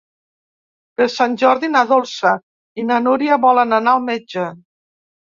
Per Sant Jordi na Dolça i na Núria volen anar al metge.